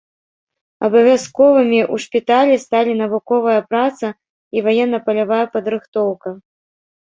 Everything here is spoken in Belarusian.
Абавязковымі ў шпіталі сталі навуковая праца і ваенна-палявая падрыхтоўка.